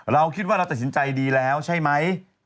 เราคิดว่าเราตัดสินใจดีแล้วใช่ไหม